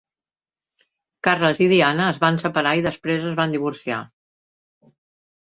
Carles i Diana es van separar i després es van divorciar.